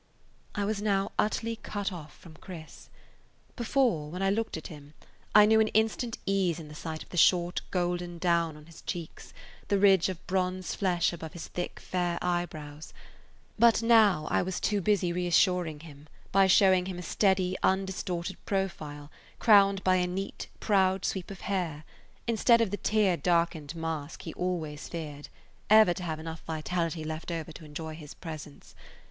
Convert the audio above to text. I was now utterly cut off from Chris. Before, when I looked at him, I knew an instant ease in the sight of the short golden down on his cheeks, the ridge of bronze flesh above his thick, fair eyebrows. But [Page 126] now I was too busy reassuring him by showing a steady, undistorted profile crowned by a neat, proud sweep of hair instead of the tear darkened mask he always feared ever to have enough vitality left over to enjoy his presence.